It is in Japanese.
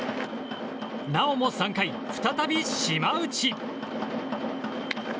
なおも３回、再び島内。